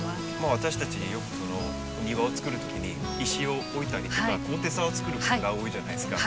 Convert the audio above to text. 私たちよく庭をつくる時に石を置いたりとか高低差を作ることが多いじゃないですか。